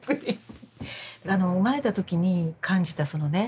あの生まれた時に感じたそのね